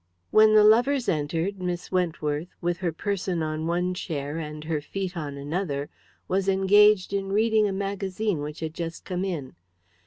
When the lovers entered, Miss Wentworth, with her person on one chair and her feet on another, was engaged in reading a magazine which had just come in.